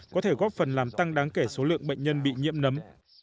có thể góp phần làm tăng đáng kể số lượng bệnh nhân bị nhiễm nấm